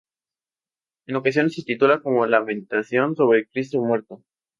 En ocasiones se titula como Lamentación sobre Cristo muerto.